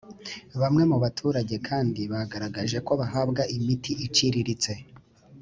bamwe mu baturage kandi bagaragaje ko bahabwa imiti iciriritse